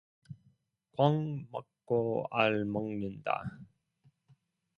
꿩 먹고 알 먹는다